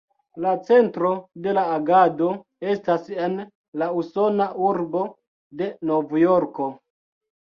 La centro de la agado estas en la usona urbo de Novjorko.